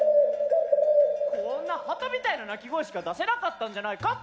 こんなハトみたいな鳴き声しか出せなかったんじゃないかって！